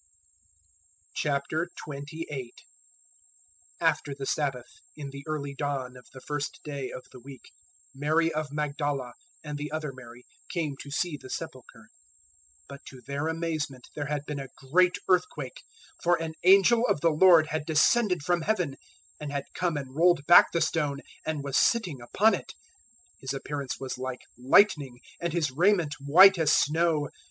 028:001 After the Sabbath, in the early dawn of the first day of the week, Mary of Magdala and the other Mary came to see the sepulchre. 028:002 But to their amazement there had been a great earthquake; for an angel of the Lord had descended from Heaven, and had come and rolled back the stone, and was sitting upon it. 028:003 His appearance was like lightning, and his raiment white as snow.